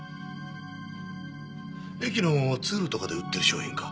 駅の通路とかで売ってる商品か。